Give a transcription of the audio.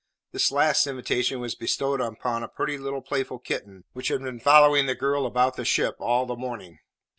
This last invitation was bestowed upon a pretty little playful kitten which had been following the girl about the ship all the morning.